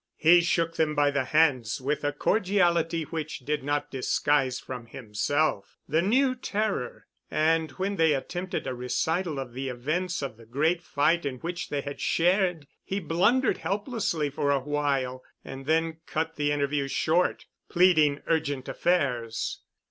He shook them by the hands with a cordiality which did not disguise from himself the new terror, and when they attempted a recital of the events of the great fight in which they had shared, he blundered helplessly for a while and then cut the interview short, pleading urgent affairs.